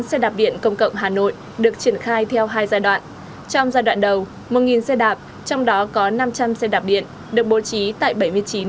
xe đạp công cộng đầu tiên tại hà nội đã được đưa vào hoạt động để phục vụ người dân và du khách trước dịp lễ mùng hai tháng chín